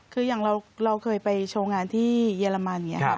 คืออย่างเราเคยไปโชว์งานที่เยอรมัน